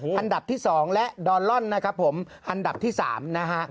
โอ้โหอันดับที่สองและดอนลอนนะครับผมอันดับที่สามนะฮะ